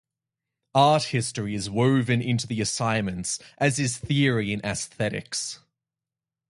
Art history is woven into the assignments as is theory in aesthetics.